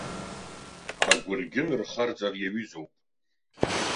Агәыргьын рхарҵар иаҩызоуп.